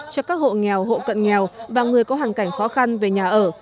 cho các hộ nghèo hộ cận nghèo và người có hoàn cảnh khó khăn về nhà ở